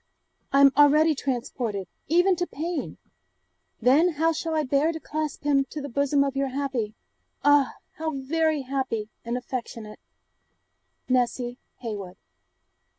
I am already transported, even to pain; then how shall I bear to clasp him to the bosom of your happy, ah! how very happy, and affectionate NESSY HEYWOOD.'